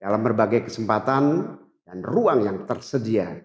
dalam berbagai kesempatan dan ruang yang tersedia